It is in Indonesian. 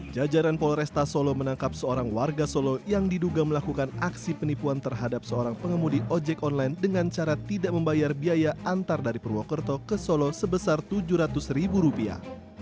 jajaran polresta solo menangkap seorang warga solo yang diduga melakukan aksi penipuan terhadap seorang pengemudi ojek online dengan cara tidak membayar biaya antar dari purwokerto ke solo sebesar tujuh ratus ribu rupiah